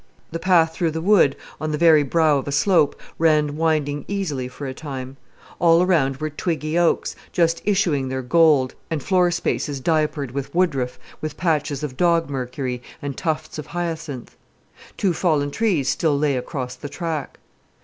The path through the wood, on the very brow of a slope, ran winding easily for a time. All around were twiggy oaks, just issuing their gold, and floor spaces diapered with woodruff, with patches of dog mercury and tufts of hyacinth. Two fallen trees still lay across the track.